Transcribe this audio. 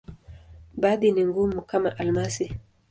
Baadhi ni ngumu, kama almasi.